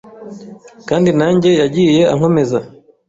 kandi nanjye yagiye ankomeza